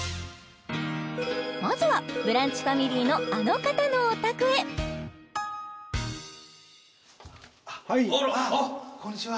まずは「ブランチ」ファミリーのあの方のお宅へはいあっこんにちは